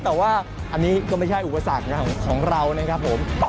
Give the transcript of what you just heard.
แต่ว่าอันนี้ก็ไม่ใช่อุปสรรคของเรานะครับผม